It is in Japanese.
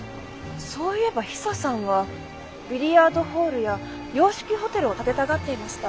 そういえばヒサさんはビリヤードホールや洋式ホテルを建てたがっていました。